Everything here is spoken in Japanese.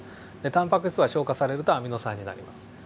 タンパク質は消化されるとアミノ酸になります。